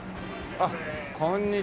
あっこんにちは。